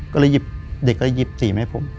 ก็เลยหยิบเด็กก็เลยหยิบสีมาให้ผม